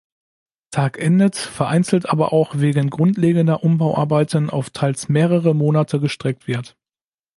Tag endet, vereinzelt aber auch wegen grundlegender Umbauarbeiten auf teils mehrere Monate gestreckt wird.